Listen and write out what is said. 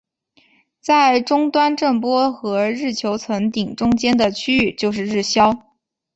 在终端震波和日球层顶中间的区域就是日鞘。